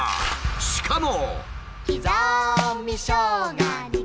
しかも。